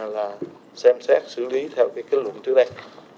là xem xét xử lý theo cái kết luận trước đây